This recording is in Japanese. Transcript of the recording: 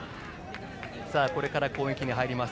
これから攻撃に入ります